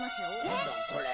何だこれ？